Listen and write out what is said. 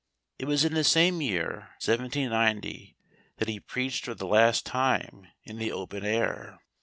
It was in this same year, 1790, that he preached for the last time in the open air.